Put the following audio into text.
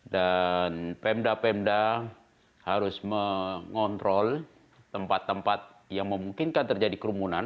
dan pemda pemda harus mengontrol tempat tempat yang memungkinkan terjadi kerumunan